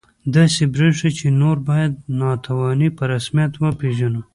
داسې بریښي چې نور باید ناتواني په رسمیت وپېژنو